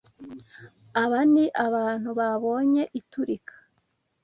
Aba ni abantu babonye iturika.